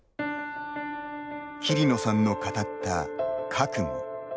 桐野さんの語った覚悟。